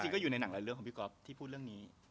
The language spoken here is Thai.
ก็อยู่ในหนังหลายเรื่องของพี่ก๊อฟที่พูดเรื่องนี้